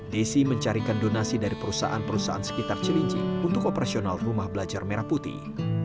desi mencarikan donasi dari perusahaan perusahaan sekitar cilinci untuk operasional rumah belajar merah putih